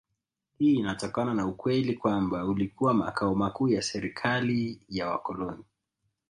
Hii inatokana na ukweli kwamba ulikuwa makao makuu ya serikali ya wakoloni